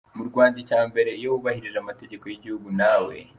Mu Rwanda icya mbere iyo wubahirije amategeko y’igihugu nawe